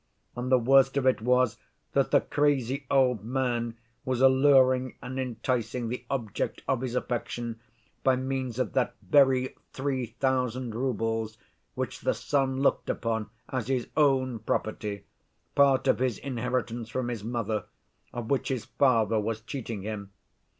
And the worst of it was that the crazy old man was alluring and enticing the object of his affection by means of that very three thousand roubles, which the son looked upon as his own property, part of his inheritance from his mother, of which his father was cheating him.